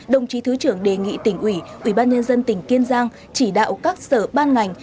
đồng chí thứ trưởng đề nghị tỉnh ủy ủy ban nhân dân tỉnh kiên giang chỉ đạo các sở ban ngành